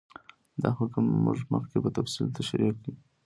دا حکم موږ مخکې په تفصیل تشرېح کړ.